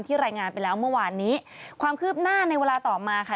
ถูกต้องที่เล่ากันเมื่อวานนี้นะคะ